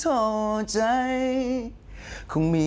พอจริง